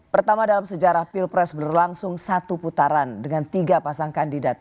pertama dalam sejarah pilpres berlangsung satu putaran dengan tiga pasang kandidat